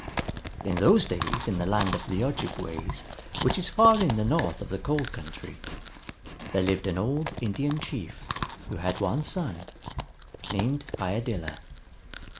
In those days in the land of the Ojibways, which is far in the north of the cold country, there lived an old Indian chief who had one son, named Iadilla.